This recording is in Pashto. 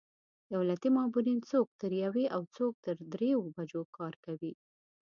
دولتي مامورین څوک تر یوې او څوک تر درېیو بجو کار کوي.